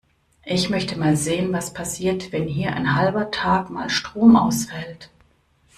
Ich möchte mal sehen, was passiert, wenn hier ein halber Tag mal Strom ausfällt.